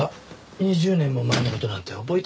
２０年も前の事なんて覚えてませんよ。